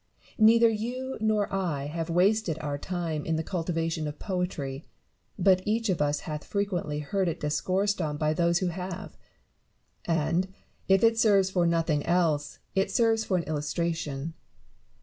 Neither you nor I have wasted our time in the cultiva tion of poetry : but each of us hath frequently heard it discoursed on by those who have ; and, if it serves for nothing else, it serves for an illustration.